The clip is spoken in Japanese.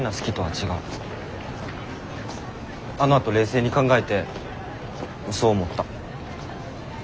あのあと冷静に考えてそう思った。